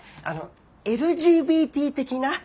あのＬＧＢＴ的な？